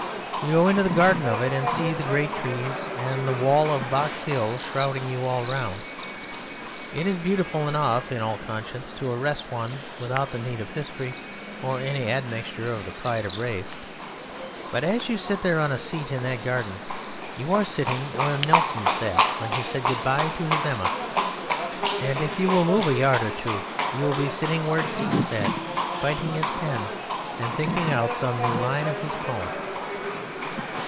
You go into the garden of it, and see the great trees and the wall of Box Hill shrouding you all around. It is beautiful enough (in all conscience) to arrest one without the need of history or any admixture of the pride of race; but as you sit there on a seat in that garden you are sitting where Nelson sat when he said goodbye to his Emma, and if you will move a yard or two you will be sitting where Keats sat biting his pen and thinking out some new line of his poem.